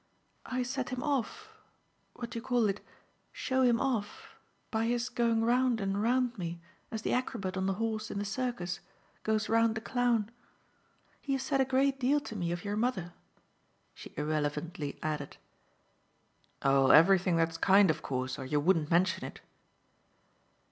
I set him off what do you call it? show him off: by his going round and round me as the acrobat on the horse in the circus goes round the clown. He has said a great deal to me of your mother," she irrelevantly added. "Ok everything that's kind of course, or you wouldn't mention it."